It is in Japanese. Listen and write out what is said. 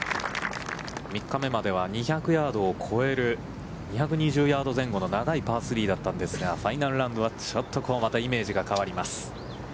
３日目までは２００ヤードを越える２２０ヤード前後の長いパー３だったんですが、ファイナルラウンドはちょっとまたイメージが変わります。